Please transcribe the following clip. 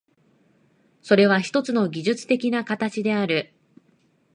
それはひとつの技術的な形である。